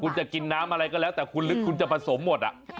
คุณจะกินน้ำอะไรก็แล้วแต่คุณลึกคุณจะผสมหมด